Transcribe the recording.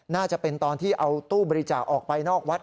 น่าจะเป็นตอนที่เอาตู้บริจาคออกไปนอกวัด